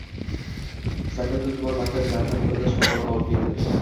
Sayfiddin tuman markazidan bir shifokorni olib keldi